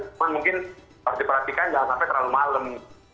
cuma mungkin pasti perhatikan jangan sampai terlalu malem